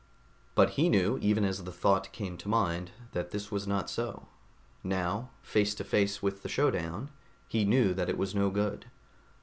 _ But he knew, even as the thought came to mind, that this was not so. Now, face to face with the showdown, he knew that it was no good.